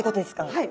はい。